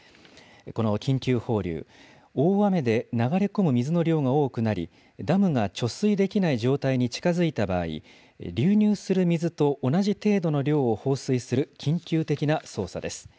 この緊急放流、大雨で流れ込む水の量が多くなり、ダムが貯水できない状態に近づいた場合、流入する水と同じ程度の水を放水する緊急的な操作です。